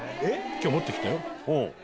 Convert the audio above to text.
今日持って来たよ。